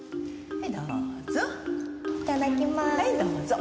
はいどうぞ。